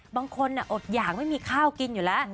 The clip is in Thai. บางคนอดหยากไม่มีข้าวกินอยู่แล้ว